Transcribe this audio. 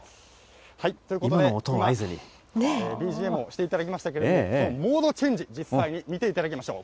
ということで、今、ＢＧＭをしていただきましたけれども、モードチェンジ、実際に見ていただきましょう。